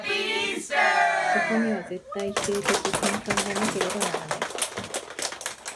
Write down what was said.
そこには絶対否定的転換がなければならない。